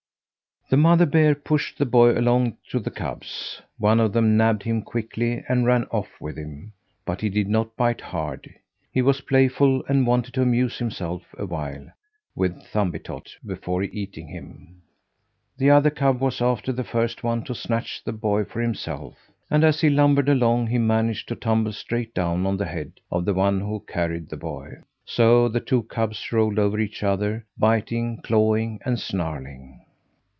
The mother bear pushed the boy along to the cubs. One of them nabbed him quickly and ran off with him; but he did not bite hard. He was playful and wanted to amuse himself awhile with Thumbietot before eating him. The other cub was after the first one to snatch the boy for himself, and as he lumbered along he managed to tumble straight down on the head of the one that carried the boy. So the two cubs rolled over each other, biting, clawing, and snarling.